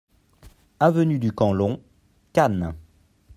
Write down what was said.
Avenue du Camp Long, Cannes